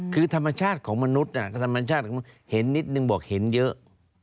คือธรรมชาติของมนุษย์ธรรมชาติเห็นนิดนึงบอกเห็นเยอะ